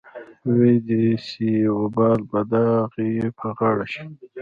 وې دې سي وبال به د اغې په غاړه شي.